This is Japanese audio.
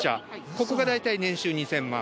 ここが大体年収２０００万。